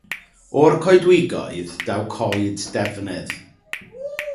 O'r coedwigoedd daw coed defnydd.